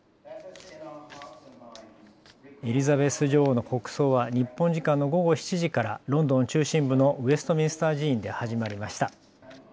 エリザベス女王の国葬は日本時間の午後７時からロンドン中心部のウェストミンスター寺院で始まりました。